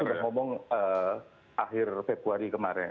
saya sudah ngomong akhir februari kemarin